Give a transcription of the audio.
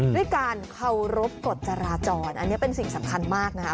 ด้วยการเคารพกฎจราจรอันนี้เป็นสิ่งสำคัญมากนะคะ